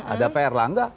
ada pak erlangga